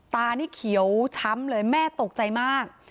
ตานี่เขียวช้ำเลยแม่ตกใจมาก